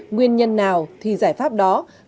nguyên nhân nào thì giải pháp đó